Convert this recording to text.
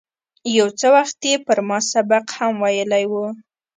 یو څه وخت یې پر ما سبق هم ویلی و.